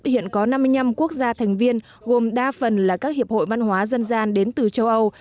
hiện có năm mươi năm quốc gia thành viên gồm đa phần là các hiệp hội văn hóa dân gian đến từ châu âu